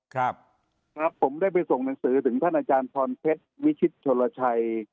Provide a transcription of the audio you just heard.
ครับครับผมได้ไปส่งหนังสือถึงท่านอาจารย์พรเพชรวิชิตชนลชัย